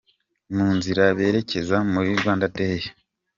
Mu nzira berekeza muri Rwanda Day .